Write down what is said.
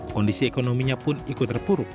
kondisi ekonominya pun ikut terpuruk